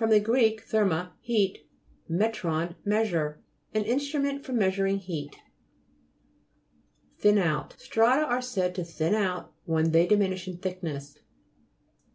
gr. therme, heat, metron, measure. An instrument for measuring heat. . THIN OUT Strata are said to thin out when they diminish in thickness.